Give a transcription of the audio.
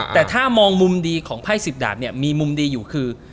แต่ถ้ามองมุมดีของไพ่๑๐ดาบเนี่ยมีมุมดีอยู่คือ